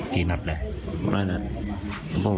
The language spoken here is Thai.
กี่นัดแหละไม่นานัด